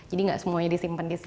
jadi tidak semuanya disimpan di sini